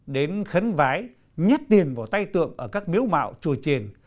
đến khấn vái nhét tiền vào tay tượng ở các miếu mạo chùa triền